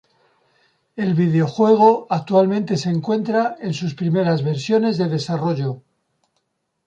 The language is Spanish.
El videojuego actualmente se encuentra en sus primeras versiones de desarrollo.